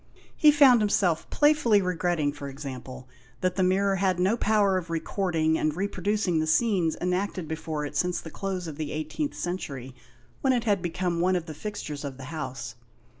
He found himself playfully re gretting, for example, that the mirror had no power of recording and reproducing the scenes enacted before it since the close of the 18th century, when it had become one of the fixtures of the house.